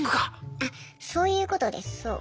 あっそういうことですそう。